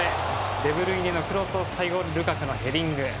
デブルイネのクロスを最後ルカクのヘディング。